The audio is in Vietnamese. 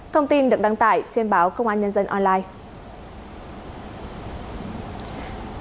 thông tin được đăng tải trên báo công an nhân dân online